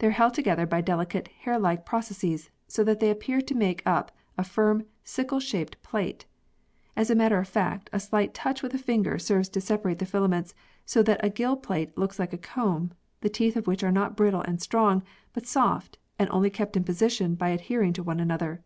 They are held together by delicate hair like processes, so that they appear to make up a firm sickle shaped plate. As a matter of fact, a slight touch with the finger serves to separate the filaments so that a gill plate looks like a comb, the teeth of which are not brittle and strong, but soft, and only kept in position by adhering to one another.